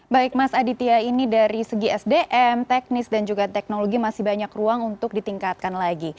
baik mas aditya ini dari segi sdm teknis dan juga teknologi masih banyak ruang untuk ditingkatkan lagi